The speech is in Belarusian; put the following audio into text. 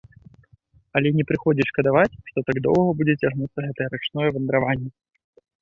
Але не прыходзіцца шкадаваць, што так доўга будзе цягнуцца гэтае рачное вандраванне.